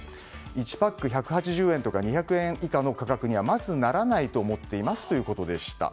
１パック１８０円とか２００円以下の価格にはまず、ならないと思っていますということでした。